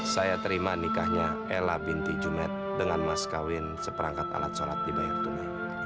saya terima nikahnya ella binti jumet dengan mas kawin seperangkat alat sholat di bayar tuna